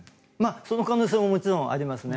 その可能性もちろんありますね。